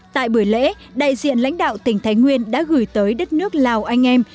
tại buổi lễ đại diện lãnh đạo tỉnh thái nguyên đã gửi tới đất nước lào anh em